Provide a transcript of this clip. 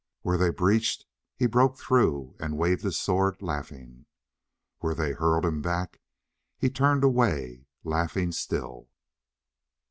Where they breached he broke through and waved his sword laughing. Where they hurled him back he turned away, laughing still.